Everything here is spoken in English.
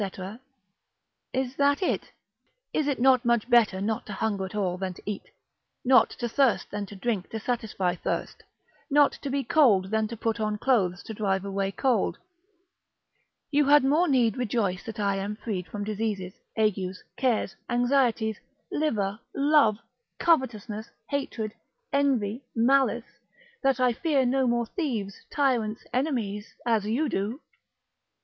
is that it? Is it not much better not to hunger at all than to eat: not to thirst than to drink to satisfy thirst: not to be cold than to put on clothes to drive away cold? You had more need rejoice that I am freed from diseases, agues, cares, anxieties, livor, love, covetousness, hatred, envy, malice, that I fear no more thieves, tyrants, enemies, as you do.